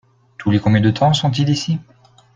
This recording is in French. Tous les combien de temps sont-ils ici ?